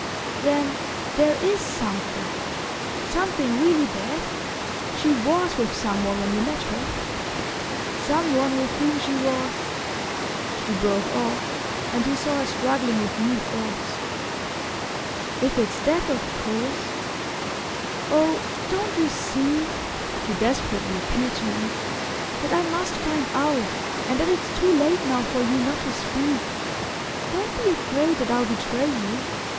"Then there IS something something really bad? She WAS with some one when you met her? Some one with whom she was " She broke off, and he saw her struggling with new thoughts. "If it's THAT, of course...Oh, don't you see," she desperately appealed to him, "that I must find out, and that it's too late now for you not to speak? Don't be afraid that I'll betray you...